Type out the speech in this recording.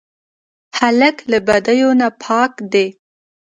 هلک له بدیو نه پاک دی.